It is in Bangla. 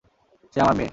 সে আমার মেয়ে!